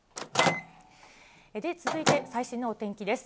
続いて最新のお天気です。